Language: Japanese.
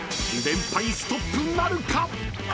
［連敗ストップなるか！？］